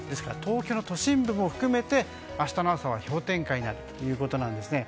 東京の都心部も含めて明日の朝は氷点下になるということです。